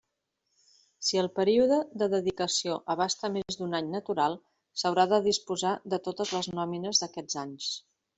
Si el període de dedicació abasta més d'un any natural, s'haurà de disposar de totes les nòmines d'aquests anys.